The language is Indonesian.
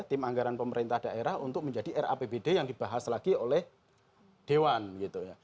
tim anggaran pemerintah daerah untuk menjadi rapbd yang dibahas lagi oleh dewan gitu ya